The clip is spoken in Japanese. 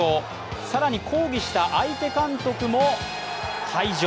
更に、抗議した相手監督も退場。